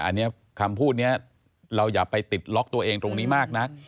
อันนี้คำพูดนี้เราอย่าไปติดล็อกตัวเองตรงนี้มากนัก